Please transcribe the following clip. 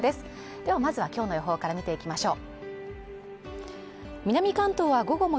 でもまずは今日の予報から見ていきましょう。